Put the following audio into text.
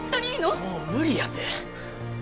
もう無理やて。